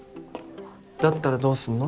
だったらどうすんの？